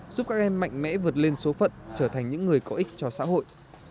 giúp các em mạnh mẽ vượt lên số phận trở thành những người có ích cho xã hội